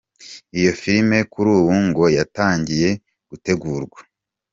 Iyo filime kuri ubu ngo yatangiye gutegurwa.